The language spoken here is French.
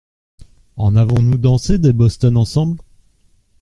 En avons-nous dansé des bostons ensemble !